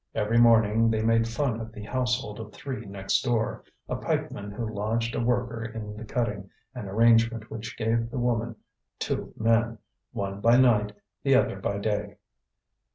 Every morning they made fun of the household of three next door, a pikeman who lodged a worker in the cutting, an arrangement which gave the woman two men, one by night, the other by day.